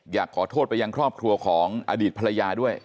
อยากขอโทษไปยังครอบครัวของอดีตภรรยาด้วย